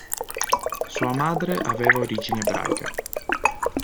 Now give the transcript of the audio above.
Sua madre aveva origini ebraiche.